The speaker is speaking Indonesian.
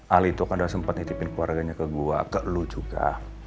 ali tuh kan udah sempet ngitipin keluarganya ke gua ke lu juga